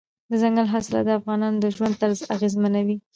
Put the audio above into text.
دځنګل حاصلات د افغانانو د ژوند طرز اغېزمنوي.